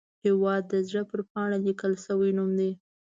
هیواد د زړه پر پاڼه لیکل شوی نوم دی